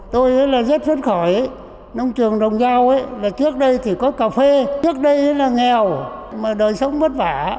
tôi rất là phấn khóa nông trường đồng giao trước đây thì có cà phê trước đây là nghèo mà đời sống vất vả